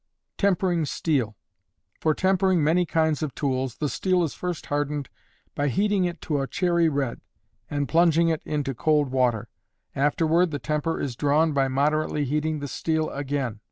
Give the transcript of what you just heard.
Tempering Steel. For tempering many kinds of tools, the steel is first hardened by heating it to a cherry red, and plunging it into cold water. Afterward the temper is drawn by moderately heating the steel again.